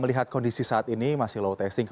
itu sejarah pak